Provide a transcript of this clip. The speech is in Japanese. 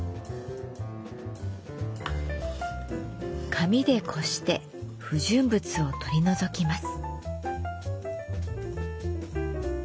紙でこして不純物を取り除きます。